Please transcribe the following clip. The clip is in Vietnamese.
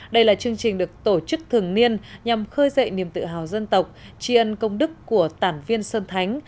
đây là chương trình được tổ chức thường niên nhằm khơi dậy niềm tự hào dân tộc tri ân công đức của tản viên sơn thánh